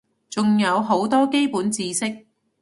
仲有好多基本知識